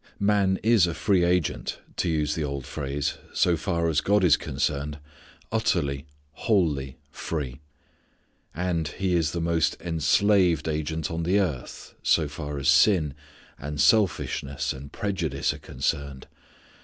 Man is a free agent, to use the old phrase, so far as God is concerned; utterly, wholly free. And, he is the most enslaved agent on the earth, so far as sin, and selfishness and prejudice are concerned.